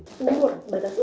jadi kalau ini harus berhasil